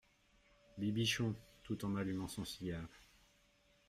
Bibichon, tout en allumant son cigare.